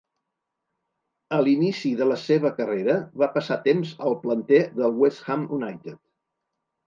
A l'inici de la seva carrera va passar temps al planter del West Ham United.